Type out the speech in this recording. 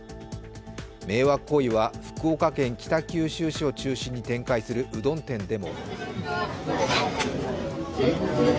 迷惑行為は福岡県北九州市を中心に展開するうどん店でも。